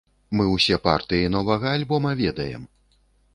Мы ўсе партыі новага альбома ведаем.